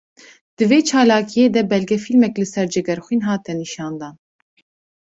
Di vê çalakiyê de belgefilmek li ser Cegerxwîn hate nîşandan